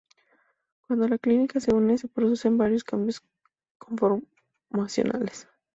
Cuando la ciclina se une, se producen varios cambios conformacionales.